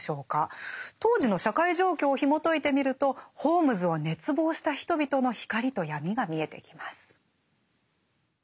当時の社会状況をひもといてみるとホームズを熱望した人々の光と闇が見えてきます。